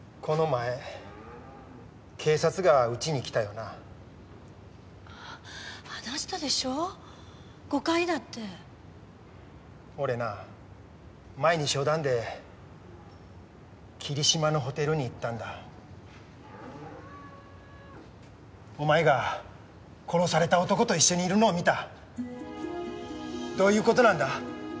この前警察がうちに来たよなあっ話したでしょ誤解だって俺な前に商談で霧島のホテルに行ったんだお前が殺された男と一緒にいるのを見たどういうことなんだ？